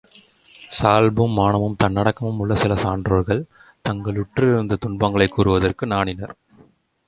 சால்பும் மானமும் தன்னடக்கமும் உள்ள சில சான்றோர்கள் தாங்களுற்றிருந்த துன்பங்களைக் கூறுவதற்கு நாணினர்.